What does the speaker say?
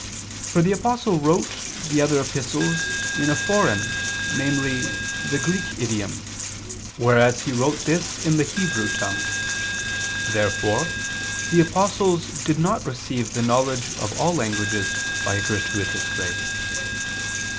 For the Apostle wrote the other epistles in a foreign, namely the Greek, idiom; whereas he wrote this in the Hebrew tongue." Therefore the apostles did not receive the knowledge of all languages by a gratuitous grace.